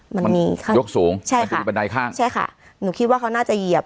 มันมีค่ะยกสูงใช่มันจะมีบันไดข้างใช่ค่ะหนูคิดว่าเขาน่าจะเหยียบ